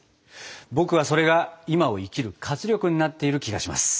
僕はそれが今を生きる活力になっている気がします。